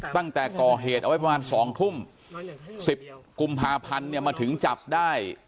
ตั้งแต่ก่อเหตุเอาไว้ประมาณ๒ทุ่ม๑๐กุมภาพันธ์เนี่ยมาถึงจับได้